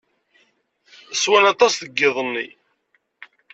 Swan aṭas deg yiḍ-nni.